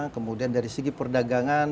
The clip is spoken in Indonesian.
kemudian dari segi perdagangan